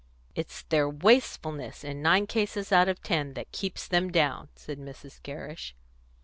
"It's their wastefulness, in nine cases out of ten, that keeps them down," said Mrs. Gerrish.